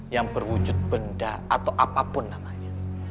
yang berwujud benda atau apapun namanya